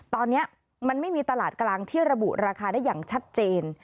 ตอนนี้มันไม่มีตลาดกลางที่ระบุราคาได้อย่างชัดเจน